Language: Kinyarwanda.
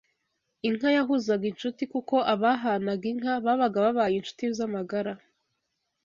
Inka yahuzaga inshuti kuko abahanaga inka babaga babaye inshuti z’amagara